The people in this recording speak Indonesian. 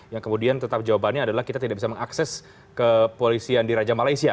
yang kemudian tetap jawabannya adalah kita tidak bisa mengakses kepolisian di raja malaysia